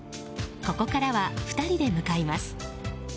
ここからは、２人で向かいます。